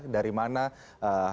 dari mana harun masiku